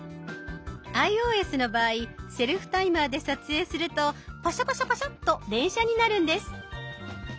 ｉＯＳの場合セルフタイマーで撮影するとパシャパシャパシャッと連写になるんです。